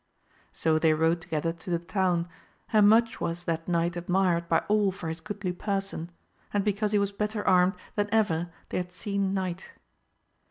So they, rode together to the town, and much was that knight admired by all for his goodly person, and because he was better armed than ever they had seen knight.